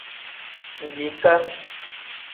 Mbiika.